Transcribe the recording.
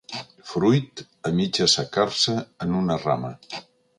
Fruit a mig assecar-se en una rama.